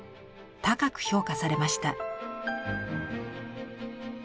高く評価されました。